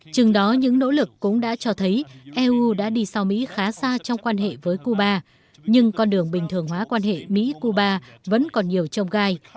chừng đó những nỗ lực cũng đã cho thấy eu đã đi sau mỹ khá xa trong quan hệ với cuba nhưng con đường bình thường hóa quan hệ mỹ cuba vẫn còn nhiều trông gai